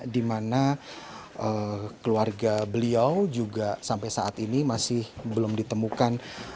di mana keluarga beliau juga sampai saat ini masih belum ditemukan